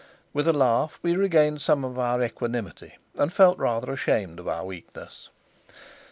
With a laugh we regained some of our equanimity, and felt rather ashamed of our weakness.